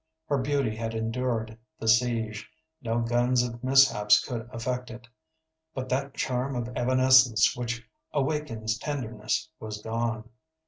Her beauty had endured the siege; no guns of mishaps could affect it, but that charm of evanescence which awakens tenderness was gone.